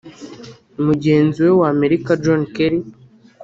mugenzi we wa Amerika John Kerry